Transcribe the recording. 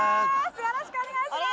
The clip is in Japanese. よろしくお願いします！